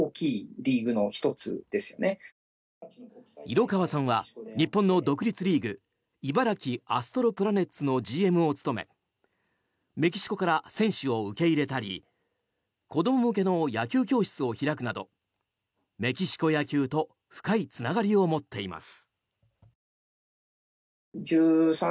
色川さんは日本の独立リーグ茨城アストロプラネッツのＧＭを務めメキシコから選手を受け入れたり子ども向けの野球教室を開くなどメキシコ野球と深いつながりを持っています。